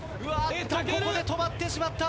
ここで止まってしまった。